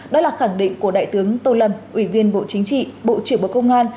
đó là khẳng định của đại tướng tô lâm ủy viên bộ chính trị bộ trưởng bộ công an